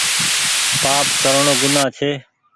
پآپ ڪرڻو گناه ڇي